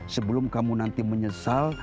sebelum kamu nanti menyesal